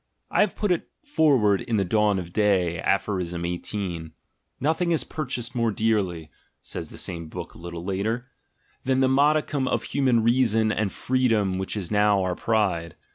I have put it forward in the Dawn of Day, Aph. 18. "Nothing is purchased more dearly," says the same book a little later, "than the modicum of human reason and freedom which is now our pride.